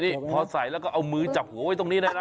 นี่พอใส่แล้วก็เอามือจับหัวไว้ตรงนี้เลยนะ